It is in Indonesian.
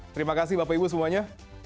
terima kasih bapak ibu semuanya